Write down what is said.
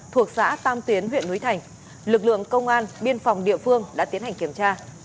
thuộc xã tam tiến huyện núi thành lực lượng công an biên phòng địa phương đã tiến hành kiểm tra